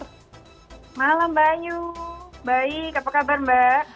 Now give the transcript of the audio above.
selamat malam mbak ayu baik apa kabar mbak